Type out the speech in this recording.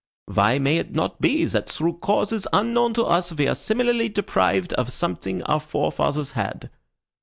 Why may it not be that through causes unknown to us we are similarly deprived of something our forefathers had?"